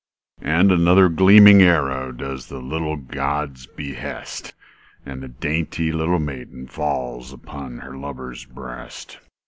And another gleaming arrow Â Â Â Â Does the little god's behest, And the dainty little maiden Â Â Â Â Falls upon her lover's breast.